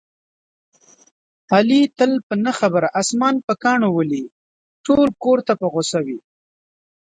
علي تل په نه خبره اسمان په کاڼو ولي، ټول کورته په غوسه وي.